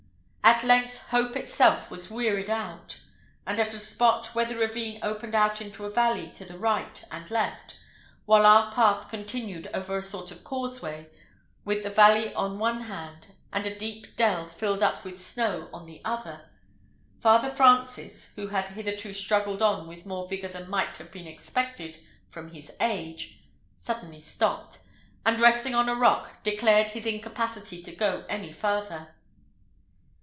At length hope itself was wearied out; and at a spot where the ravine opened out into a valley to the right and left, while our path continued over a sort of causeway, with the river on one hand, and a deep dell filled up with snow on the other, Father Francis, who had hitherto struggled on with more vigour than might have been expected from his age, suddenly stopped, and resting on a rock, declared his incapacity to go any farther.